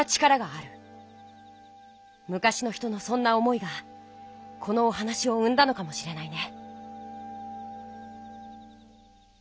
昔の人のそんな思いがこのお話を生んだのかもしれないね。